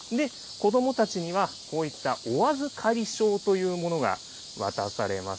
子どもたちにはこういった、おあずかり証というものが渡されます。